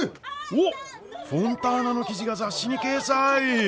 おっフォンターナの記事が雑誌に掲載。